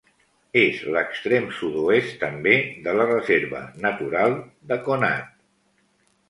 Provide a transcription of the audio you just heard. És l'extrem sud-oest també de la Reserva Natural de Conat.